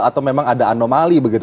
atau memang ada anomali begitu